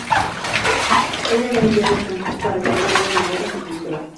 Ella lo ha enviado con Bugs para que le pueda ayudar en su búsqueda.